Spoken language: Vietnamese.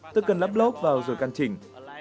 tôi cần lắp lốp vào rồi căn chỉnh